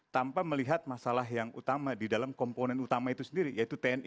tanpa melihat masalah yang utama di dalam komponen utama itu sendiri yaitu tni